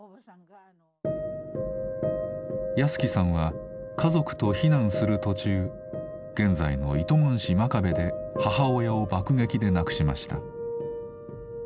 保喜さんは家族と避難する途中現在の糸満市真壁で母親を爆撃で亡くしました。